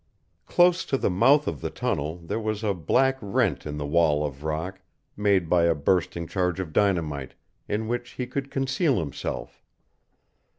Close to the mouth of the tunnel there was a black rent in the wall of rock, made by a bursting charge of dynamite, in which he could conceal himself.